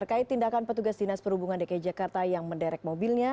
terkait tindakan petugas dinas perhubungan dki jakarta yang menderek mobilnya